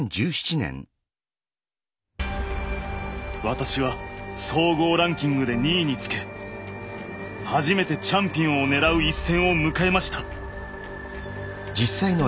私は総合ランキングで２位につけ初めてチャンピオンを狙う一戦を迎えました。